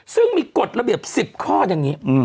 ซึ่งมีกฎระเบียบ๑๐ข้ออย่างนี้